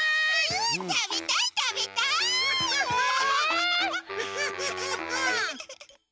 うんたべたいたべたい！え！？